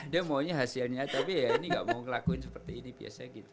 dia maunya hasilnya tapi ya ini gak mau ngelakuin seperti ini biasanya gitu